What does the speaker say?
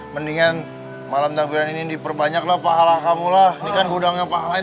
mendingan malam takbiran ini diperbanyaklah pahala kamu lah ini kan gudang yang pahalain